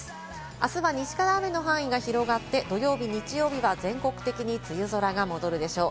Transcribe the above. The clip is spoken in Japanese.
あすは西から雨の範囲が広がって、土曜日、日曜日は全国的に梅雨空が戻るでしょう。